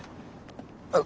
あ。